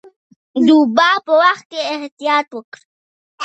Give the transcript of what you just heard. د وبا په وخت کې احتیاط وکړئ.